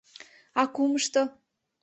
— А кумышто?